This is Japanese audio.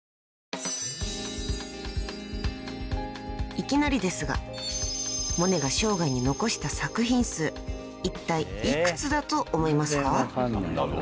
［いきなりですがモネが生涯に残した作品数いったい幾つだと思いますか？］